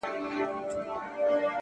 پرمختګ د زړو عادتونو ماتول غواړي!.